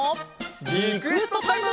リクエストタイム！